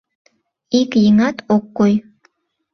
Ик еҥат ок кой.